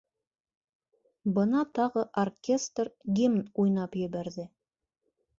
Бына тағы оркестр гимн уйнап ебәрҙе.